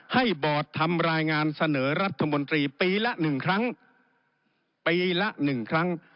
ให้บอร์ตทำรายงานเสนอรัฐบทปีละ๑ครั้ง